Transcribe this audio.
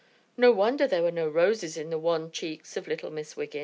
No wonder there were no roses in the wan cheeks of little Miss Wiggin.